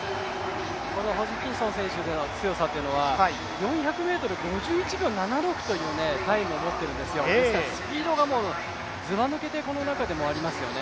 ホジキンソン選手の強さというのは４００ｍ５１秒７６というタイムを持っているんですよ、ですからスピードがずば抜けてこの中でもありますよね。